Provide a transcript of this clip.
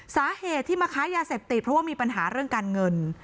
สาเหตุที่มาค้ายาเสพติดเพราะว่ามีปัญหาเรื่องการเงิน